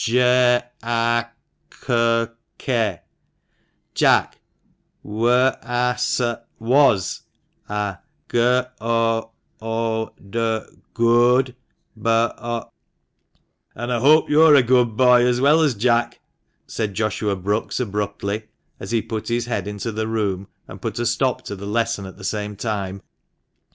"J a c k — Jack, w a s — was, a g o o d — good, b o " "And I hope you're a good boy, as well as Jack," said Joshua Brookes abruptly, as he put his head into the room, and put a stop to the lesson at the same time.